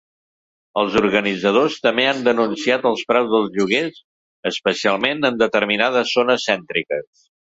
Els organitzadors també han denunciat els preus dels lloguers, especialment en determinades zones cèntriques.